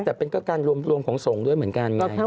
แต่เป็นก็การรวมของสงฆ์ด้วยเหมือนกันไง